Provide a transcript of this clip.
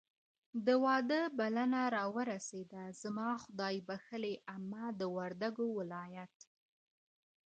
د واده بلنه راورسېده. زما خدایبښلې عمه د وردګو ولایت